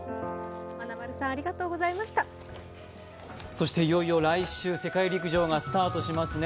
そしていよいよ来週世界陸上がスタートしますね。